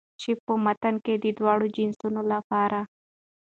چې په متن کې د دواړو جنسونو لپاره